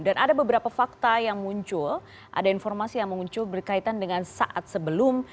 dan ada beberapa fakta yang muncul ada informasi yang muncul berkaitan dengan saat sebelum